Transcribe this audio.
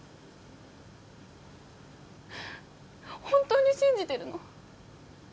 本当に信じてるの？